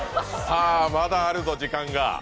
まだあるぞ、時間が。